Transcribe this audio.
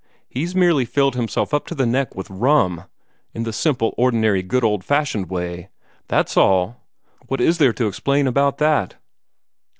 He's merely filled himself up to the neck with rum, in the simple, ordinary, good old fashioned way. That's all. What is there to explain about that?"